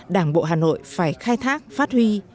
đảng bộ hà nội phải khai thác phát huy